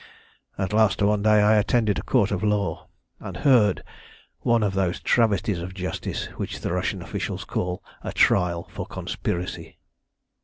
"At last I one day attended a court of law, and heard one of those travesties of justice which the Russian officials call a trial for conspiracy.